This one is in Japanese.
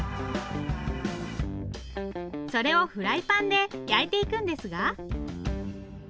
それをフライパンで焼いていくんですが。